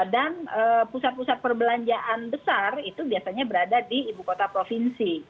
dan pusat pusat perbelanjaan besar itu biasanya berada di ibu kota provinsi